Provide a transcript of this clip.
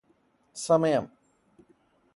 സമയം